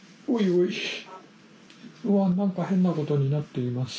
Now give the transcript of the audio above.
うわ何か変なことになっています。